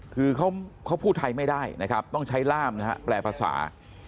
คือเขาพูดไทยไม่ได้นะครับต้องใช้ล่ามนะฮะแปลภาษา